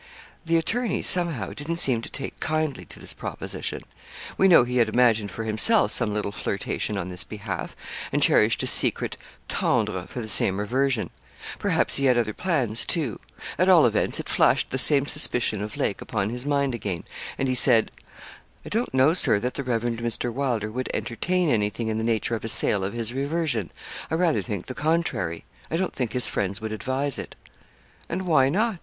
The attorney, somehow, didn't seem to take kindly to this proposition. We know he had imagined for himself some little flirtation on this behalf, and cherished a secret tendre for the same reversion. Perhaps he had other plans, too. At all events it flashed the same suspicion of Lake upon his mind again; and he said 'I don't know, Sir, that the Reverend Mr. Wylder would entertain anything in the nature of a sale of his reversion. I rather think the contrary. I don't think his friends would advise it.' 'And why not?